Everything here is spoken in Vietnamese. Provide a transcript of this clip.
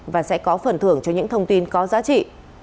và sẽ có phần thưởng cho những thông tin có giá trị